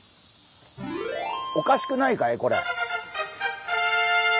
おかしくないかいこれ？